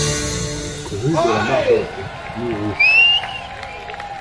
Rue de la Mardotte, Mouroux